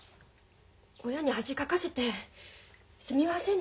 親に恥かかせてすみませんでした。